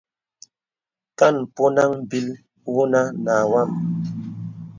Kàn mpɔnaŋ m̀bìl wunə nà wam.